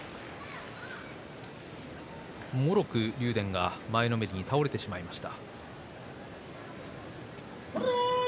もろく竜電、前のめりに倒れてしまいました。